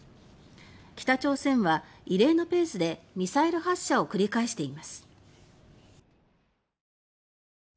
北朝鮮は異例のペースでミサイル発射を野次馬多いね。